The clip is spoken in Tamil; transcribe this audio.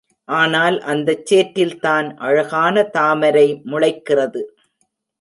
ஆனால் அந்தச் சேற்றில்தான் அழகான தாமரை முளைக்கிறது.